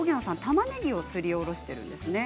たまねぎをすりおろしてるんですね。